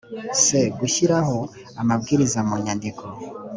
c gushyiraho amabwiriza mu nyandiko